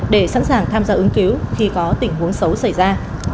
để sẵn sàng tham gia ứng cứu khi có tình huống xấu xảy ra